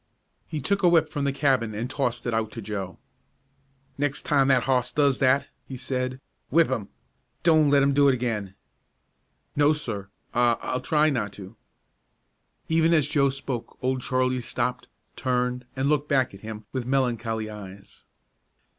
He took a whip from the cabin and tossed it out to Joe. "Next time that hoss does that," he said, "whip 'im! Don't let him do it again." "No, sir! I I'll try not to." Even as Joe spoke Old Charlie stopped, turned, and looked back at him with melancholy eyes.